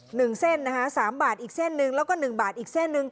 หนึ่งเส้นนะคะสามบาทอีกเส้นหนึ่งแล้วก็หนึ่งบาทอีกเส้นหนึ่ง